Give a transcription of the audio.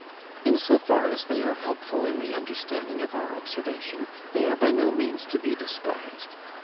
In so far as they are helpful in the understanding of our observation, they are by no means to be despised.